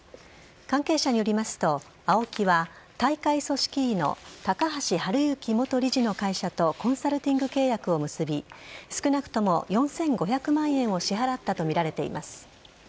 関係者によりますと、ＡＯＫＩは大会組織委の高橋治之元理事の会社とコンサルティング契約を結び少なくとも４５００万円を支払ったとみられています。